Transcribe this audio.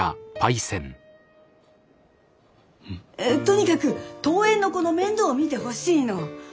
とにかく遠縁の子の面倒を見てほしいの。